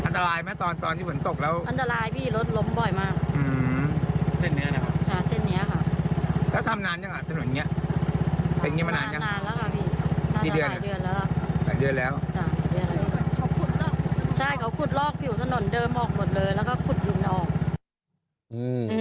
ใช่เขาขุดลอกผิวถนนเดิมออกหมดเลยแล้วก็ขุดดินออก